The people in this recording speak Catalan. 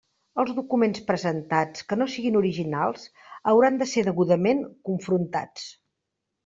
Els documents presentats que no siguen originals hauran de ser degudament confrontats.